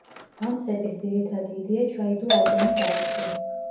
ამ სეტის ძირითადი იდეა ჩაიდო ალბომის არსში.